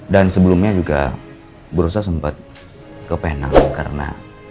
dan sebelumnya juga burosa sempat ke penang karena